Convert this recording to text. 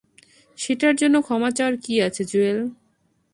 সেটার জন্য ক্ষমা চাওয়ার কি আছে, জুয়েল।